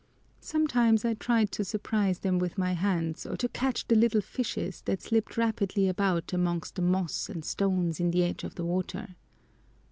Sometimes I tried to surprise them with my hands or to catch the little fishes that slipped rapidly about amongst the moss and stones in the edge of the water.